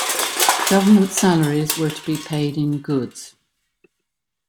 Government salaries were to be paid in goods.